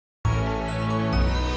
masih ada yang nungguin